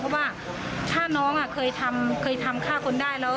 เพราะว่าถ้าน้องเคยทำฆ่าคนได้แล้ว